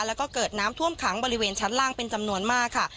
แล้วก็เกิดน้ำท่วมขังบริเวณชั้นล่างเป็นจำนวนมากค่ะ